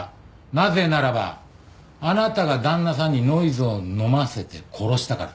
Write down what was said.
なぜならばあなたが旦那さんにノイズを飲ませて殺したから。